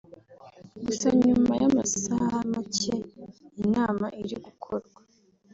Gusa nyuma y’amasaha make iyi nama iri gukorwa